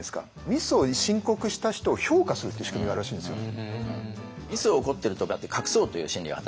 ミスを申告した人を評価するっていう仕組みがあるらしいんですよ。